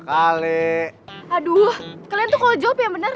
aduh kalian tuh kalau jawab ya bener